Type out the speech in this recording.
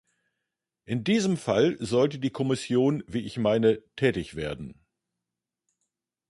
In diesem Fall sollte die Kommission, wie ich meine, tätig werden.